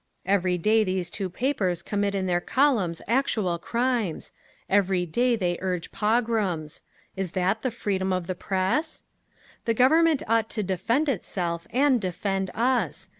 Every day these two papers commit in their columns actual crimes. Every day they urge pogroms…. Is that 'the freedom of the press'?… "The Government ought to defend itself and defend us.